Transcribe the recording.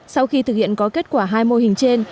sau khi thực hiện có kết quả hai mô hình trên